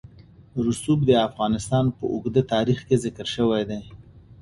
رسوب د افغانستان په اوږده تاریخ کې ذکر شوی دی.